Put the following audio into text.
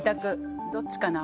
どっちかな。